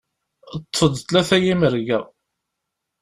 Ṭṭfeɣ-d tlata n yimerga.